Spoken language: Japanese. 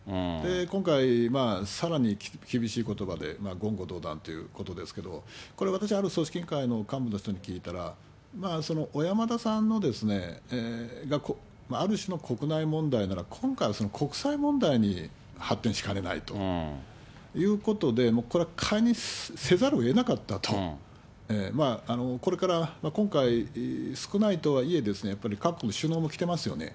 今回、さらに厳しいことばで、言語道断ということですけれども、これ、私はある組織委員会の幹部の人に聞いたら、小山田さんがある種の国内問題なら、今回は国際問題に発展しかねないということで、もうこれは解任せざるをえなかったと、これから今回、少ないとはいえ、やっぱり各国の首脳も来てますよね。